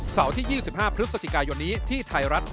เสาร์ที่๒๕พฤษจิกายนี้ที่ไทยรัฐ